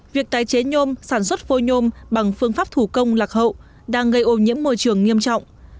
việc tái chế nhôm sản xuất phôi nhôm bằng phương pháp thủ công lạc hậu đang gây ô nhiễm môi trường nghiêm trọng